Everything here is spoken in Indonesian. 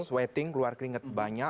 sleting keluar keringat banyak